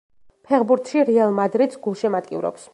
ფეხბურთში „რეალ მადრიდს“ გულშემატკივრობს.